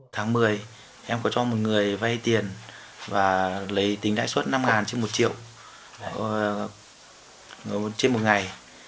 tháng một mươi em có cho một người vay tiền và lấy tính lãi suất năm trên một triệu trên một ngày